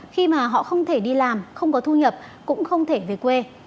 khi mà họ không thể đi làm không có thu nhập cũng không thể về quê